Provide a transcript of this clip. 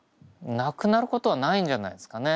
なくなることはないんじゃないですかね。